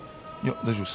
大丈夫です。